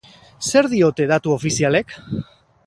Zer diote datu ofizialek?